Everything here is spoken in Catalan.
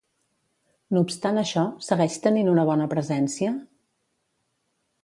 No obstant això, segueix tenint una bona presència?